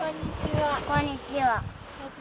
こんにちは。